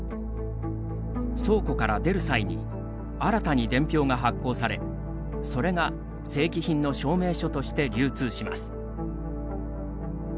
倉庫から出る際に新たに伝票が発行されそれが正規品の証明書として流通します。